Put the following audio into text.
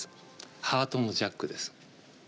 ハートのジャックです。